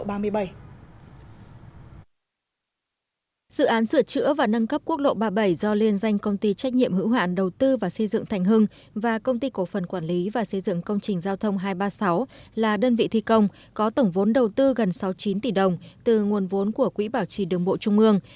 dự án sửa chữa và nâng cấp quốc lộ ba mươi bảy do liên danh công ty trách nhiệm hữu hạn đầu tư và xây dựng thành hưng và công ty cổ phần quản lý và xây dựng công trình giao thông hai trăm ba mươi sáu là đơn vị thi công có tổng vốn đầu tư gần sáu mươi chín tỷ đồng từ nguồn vốn của quỹ bảo trì đường bộ trung ương